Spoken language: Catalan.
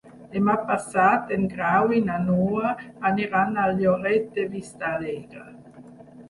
Demà passat en Grau i na Noa aniran a Lloret de Vistalegre.